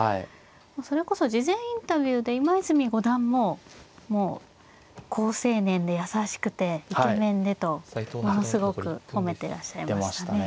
それこそ事前インタビューで今泉五段も好青年で優しくてイケメンでとものすごく褒めてらっしゃいましたね。